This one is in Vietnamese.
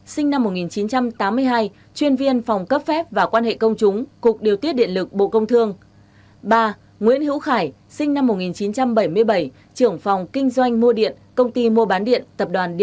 xin chào và hẹn gặp lại